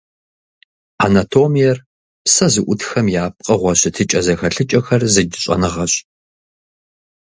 Анатомиер - псэ зыӏутхэм я пкъыгъуэ щытыкӏэ-зэхэлъыкӏэхэр зыдж щӏэныгъэщ.